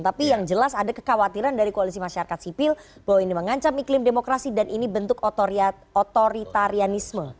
tapi yang jelas ada kekhawatiran dari koalisi masyarakat sipil bahwa ini mengancam iklim demokrasi dan ini bentuk otoritarianisme